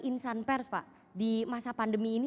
insan pers pak di masa pandemi ini